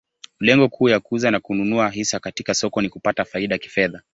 Lengo kuu ya kuuza na kununua hisa katika soko ni kupata faida kifedha.